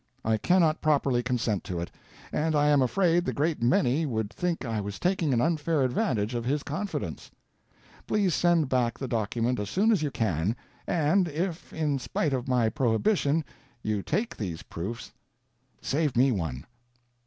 I cannot properly consent to it, and I am afraid the great many would think I was taking an unfair advantage of his confidence. Please send back the document as soon as you can, and if, in spite of my prohibition, you take these proofs, save me one.